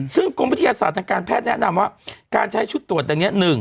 ซึ่งกรมวิทยาศาสตร์ทางการแพทย์แนะนำว่าการใช้ชุดตรวจอย่างนี้